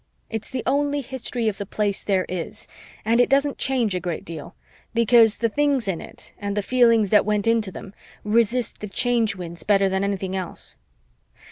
It's the only history of the Place there is and it doesn't change a great deal, because the things in it and the feelings that went into them resist the Change Winds better than anything else.